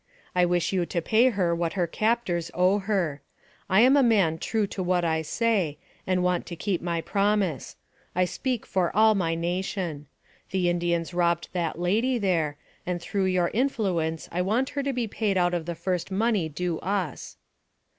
I wish you to pay her what her captors owe her. I am a man true to what I say, and want to keep my promise. I speak for all my nation. The Indians robbed that lady there, and through your in fluence I want her to be paid out of the first money due us."